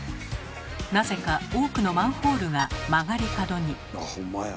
なぜか多くのマンホールが曲がり角に。